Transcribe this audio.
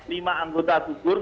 lima anggota gugur